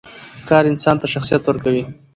کار انسان ته شخصیت ورکوي.